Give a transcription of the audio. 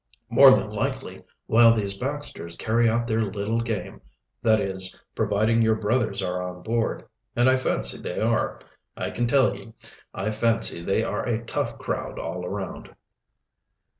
"More than likely, while these Baxters carry out their little game that is, providing your brothers are on board and I fancy they are. I can tell ye, I fancy they are a tough crowd all around."